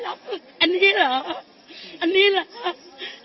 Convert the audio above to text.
มันต้องเชื่อว่าไม่ได้